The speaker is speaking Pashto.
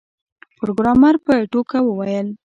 پروګرامر په ټوکه وویل